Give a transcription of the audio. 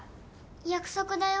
約束だよ？